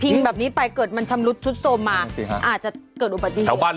พิงแบบนี้ไปเกิดมันชำรุดชุดโซมมาอาจจะเกิดอุปัติเหตุ